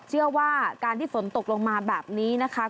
เชื่อว่าการที่ฝนตกลงมาแบบนี้นะคะ